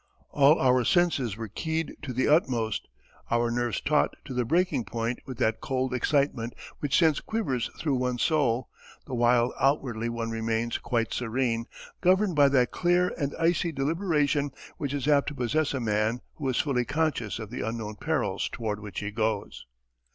All our senses were keyed to the utmost, our nerves taut to the breaking point with that cold excitement which sends quivers through one's soul, the while outwardly one remains quite serene, governed by that clear and icy deliberation which is apt to possess a man who is fully conscious of the unknown perils toward which he goes....